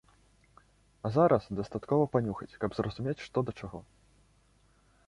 А зараз дастаткова панюхаць, каб зразумець, што да чаго.